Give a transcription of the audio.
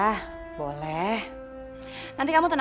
aku bakal telepon tuti untuk ngambil kuenya